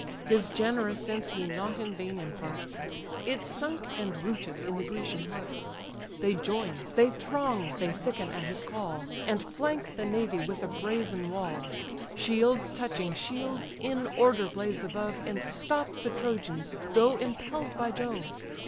His generous sense he not in vain imparts; It sunk, and rooted in the Grecian hearts: They join, they throng, they thicken at his call, And flank the navy with a brazen wall; Shields touching shields, in order blaze above, And stop the Trojans, though impell'd by Jove.